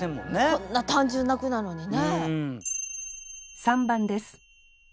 こんな単純な句なのにね。